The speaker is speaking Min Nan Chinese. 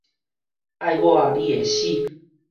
愛我你會死